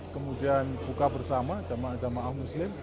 kemudian buka bersama jamaah jamaah muslim